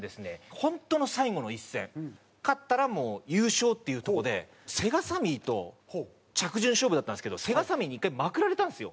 本当の最後の一戦勝ったらもう優勝っていうとこでセガサミーと着順勝負だったんですけどセガサミーに１回まくられたんですよ。